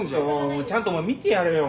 もうちゃんとお前見てやれよ。